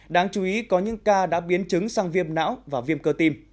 đáng chú ý có những ca đã biến chứng sang viêm não và viêm cơ tim